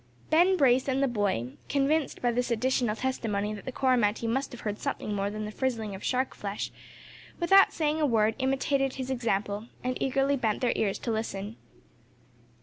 Ben Brace and the boy, convinced by this additional testimony that the Coromantee must have heard something more than the frizzling of the shark flesh, without saying a word, imitated his example, and eagerly bent their ears to listen.